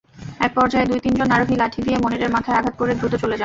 একপর্যায়ে দুই-তিনজন আরোহী লাঠি দিয়ে মনিরের মাথায় আঘাত করে দ্রুত চলে যান।